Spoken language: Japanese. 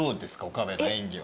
岡部の演技は。